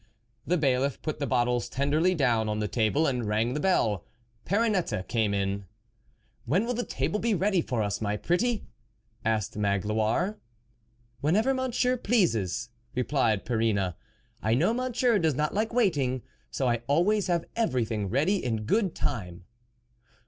The Bailiff put the bottles tenderly down on the table and rang the bell. Perrinette came in. " When will the table be ready for us, my pretty ?" asked Magloire. " Whenever Monsieur pleases," replied Perrine. " I know Monsieur does not like waiting ; so I always have everything ready in good time."